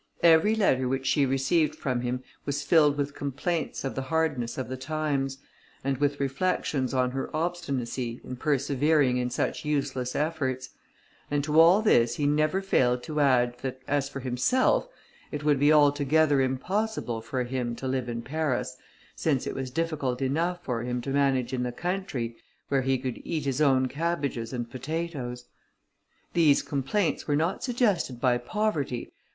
Every letter which she received from him, was filled with complaints of the hardness of the times, and with reflections on her obstinacy, in persevering in such useless efforts; and to all this he never failed to add, that as for himself, it would be altogether impossible for him to live in Paris, since it was difficult enough for him to manage in the country, where he could eat his own cabbages and potatoes. These complaints were not suggested by poverty, for M.